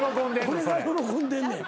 俺が喜んでんねん。